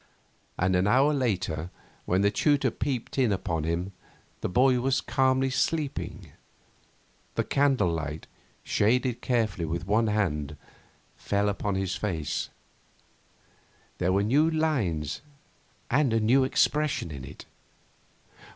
And an hour later, when the tutor peeped in upon him, the boy was calmly sleeping. The candle light, shaded carefully with one hand, fell upon the face. There were new lines and a new expression in it.